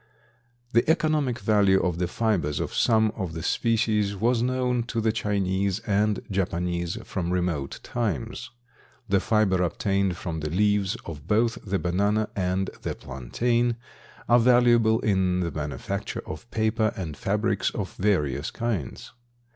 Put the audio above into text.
The economic value of the fibers of some of the species was known to the Chinese and Japanese from remote times. The fiber obtained from the leaves of both the banana and the plantain are valuable in the manufacture of paper and fabrics of various kinds.